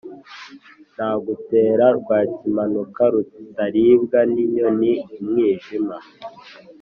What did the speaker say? Nagutera Rwakimanuka rutaribwa n'inyoni-Umwijima.